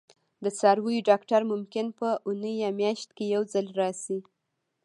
د څارویو ډاکټر ممکن په اونۍ یا میاشت کې یو ځل راشي